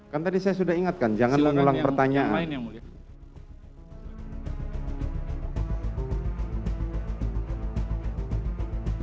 kan tadi saya sudah ingatkan jangan mengulang pertanyaan